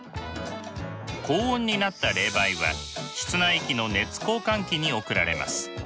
高温になった冷媒は室内機の熱交換器に送られます。